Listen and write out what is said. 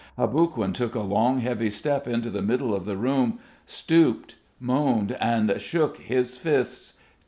Aboguin took a long heavy step into the middle of the room, stooped, moaned, and shook his fists.